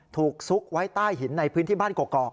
ซุกไว้ใต้หินในพื้นที่บ้านกอก